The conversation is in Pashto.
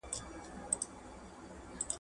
څوک وايي څه شي وخورم، څوک وايي په چا ئې وخورم.